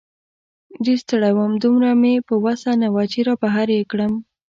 ډېر ستړی وم، دومره مې په وسه نه وه چې را بهر یې کړم.